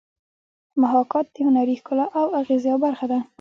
محاکات د هنري ښکلا او اغېز یوه برخه ده